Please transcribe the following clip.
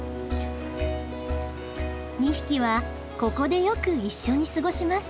２匹はここでよく一緒に過ごします。